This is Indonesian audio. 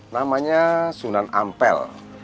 namanya sunan ampel